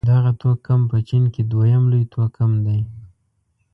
دغه توکم په چين کې دویم لوی توکم دی.